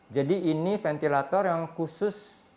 jadi ini ventilator yang khusus